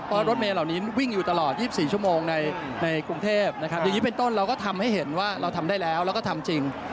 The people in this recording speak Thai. เพราะรถเมลเหล่านี้วิ่งอยู่ตลอด๒๔ชั่วโมงในกรุงเทพนะครับอย่างนี้เป็นต้นเราก็ทำให้เห็นว่าเราทำได้แล้วแล้วก็ทำจริง